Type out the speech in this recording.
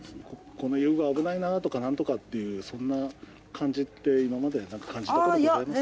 この遊具は危ないなとかなんとかっていう、そんな感じって今までなんか感じたことございますか？